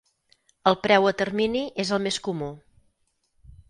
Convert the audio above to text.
El preu a termini és el més comú.